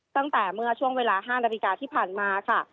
ตั้งแต่เมื่อช่วงเวลา๕นาฬิกาที่ผ่านมาค่ะ